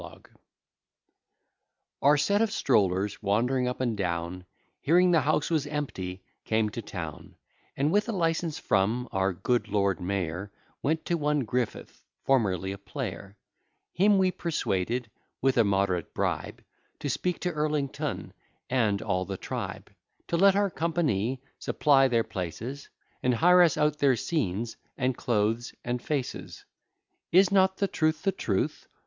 to act in. Our set of strollers, wandering up and down, Hearing the house was empty, came to town; And, with a license from our good lord mayor, Went to one Griffith, formerly a player: Him we persuaded, with a moderate bribe, To speak to Elrington and all the tribe, To let our company supply their places, And hire us out their scenes, and clothes, and faces. Is not the truth the truth?